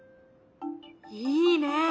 いいねえ！